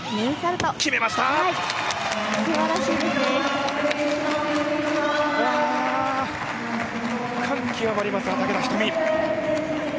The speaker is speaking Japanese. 感極まります、畠田瞳。